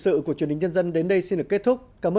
quý vị có thể tham gia bản tin kiến thức sau đây